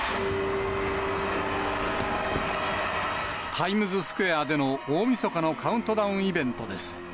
タイムズスクエアでの大みそかのカウントダウンイベントです。